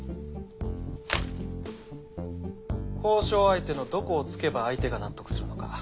交渉相手のどこをつけば相手が納得するのか。